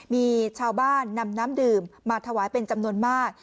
มีชาวบ้านนำน้ำดื่มมาถวายเป็นจำนวนมาก